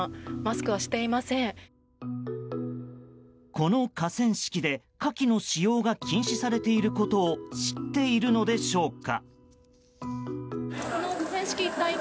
この河川敷で火気の使用が禁止されていることを知っているのでしょうか。